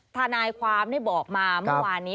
ทนายความนี่บอกมาเมื่อวานนี้